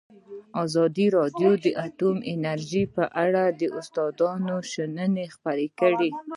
ازادي راډیو د اټومي انرژي په اړه د استادانو شننې خپرې کړي.